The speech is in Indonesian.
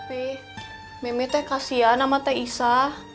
weh meme teh kasihan sama teh isa